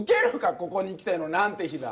ここにきてのなんて日だ！